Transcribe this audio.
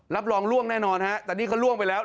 รับรองล่วงแน่นอนฮะแต่นี่เขาล่วงไปแล้ว